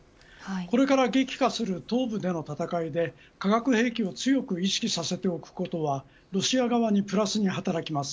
これから激化する東部の戦いで化学兵器を強く意識させておくことはロシア側にプラスに働きます。